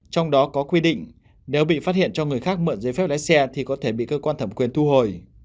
trong đó có quy định nếu bị phát hiện cho người khác mượn giấy phép lái xe thì có thể bị cơ quan thẩm quyền thu hồi